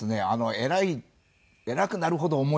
偉い偉くなるほど重い。